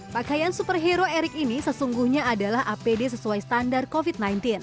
pakaian superhero erik ini sesungguhnya adalah apd sesuai standar covid sembilan belas